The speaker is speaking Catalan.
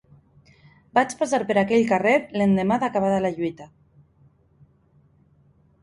Vaig passar per aquell carrer l'endemà d'acabada la lluita